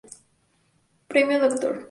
Premio “Dr.